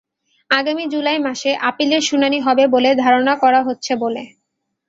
আগামী জুলাই মাসে আপিলের শুনানি হবে বলে ধারণা করা হচ্ছে বলে।